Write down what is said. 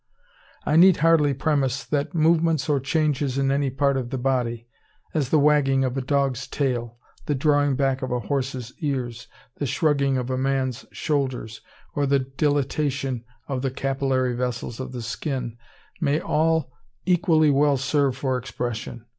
I need hardly premise that movements or changes in any part of the body,—as the wagging of a dog's tail, the drawing back of a horse's ears, the shrugging of a man's shoulders, or the dilatation of the capillary vessels of the skin,—may all equally well serve for expression.